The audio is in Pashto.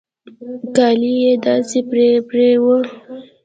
کالي يې داسې پرې پرې وو.